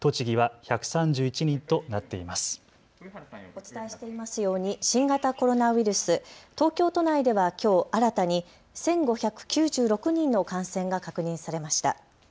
お伝えしていますように新型コロナウイルス東京都内ではきょう新たに１５９６人の感染が確認されました。